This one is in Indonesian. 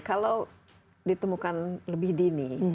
kalau ditemukan lebih dini